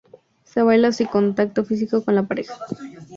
Se baila sin contacto físico con la pareja.